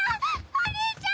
お兄ちゃん！